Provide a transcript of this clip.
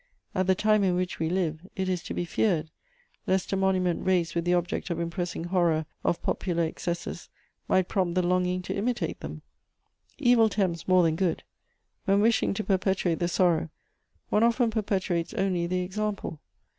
At the time in which we live, it is to be feared lest a monument raised with the object of impressing horror of popular excesses might prompt the longing to imitate them: evil tempts more than good; when wishing to perpetuate the sorrow, one often perpetuates only the example.